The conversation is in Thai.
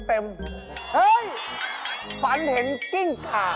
เฮ้ยฝันเห็นกิ้งขา